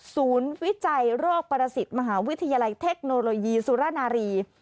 วิจัยโรคประสิทธิ์มหาวิทยาลัยเทคโนโลยีสุรนารี